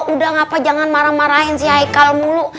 udah ngapa jangan marah marahin si haykaln mulu